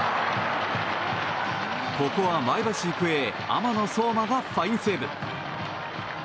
ここは前橋育英雨野颯真がファインセーブ。